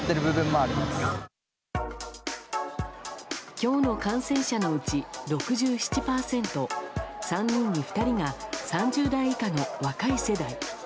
今日の感染者のうち６７％３人に２人が３０代以下の若い世代。